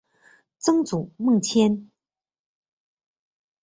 曾祖孟廉。